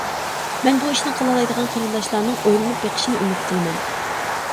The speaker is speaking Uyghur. بۇ ئىشنى قىلالايدىغان قېرىنداشلارنىڭ ئويلىنىپ بېقىشىنى ئۈمىد قىلىمەن.